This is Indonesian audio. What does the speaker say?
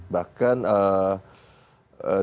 bahkan duterte menyampaikan di media